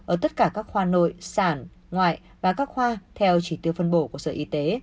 ở tất cả các khoa nội sản ngoại và các khoa theo chỉ tiêu phân bổ của sở y tế